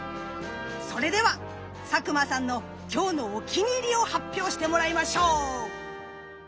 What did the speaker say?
それでは佐久間さんの今日のお気に入りを発表してもらいましょう。